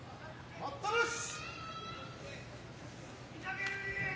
待ったなし。